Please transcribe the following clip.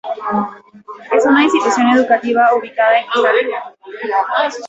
Es una institución educativa ubicada en Costa Rica.